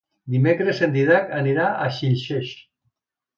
Dimecres en Dídac anirà a Xilxes.